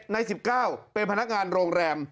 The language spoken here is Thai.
ใน๑๙เป็นพนักงานโรงแรม